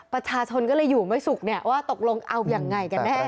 ประชาชนก็เลยอยู่ไม่สุขเนี่ยว่าตกลงเอายังไงกันแน่